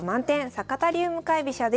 坂田流向かい飛車」です。